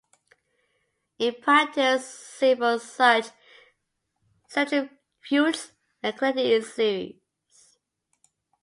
In practice, several such centrifuges are connected in series.